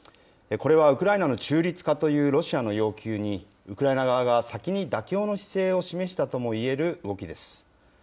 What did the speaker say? これはウクライナの中立化というロシアの要求に、ウクライナ側が先に妥協の姿勢を示したとも言える動きです。